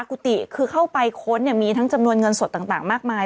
กุฏิคือเข้าไปค้นเนี่ยมีทั้งจำนวนเงินสดต่างมากมาย